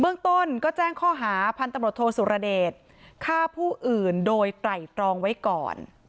เรื่องต้นก็แจ้งข้อหาพันธมรตโทสุรเดชฆ่าผู้อื่นโดยไตรตรองไว้ก่อน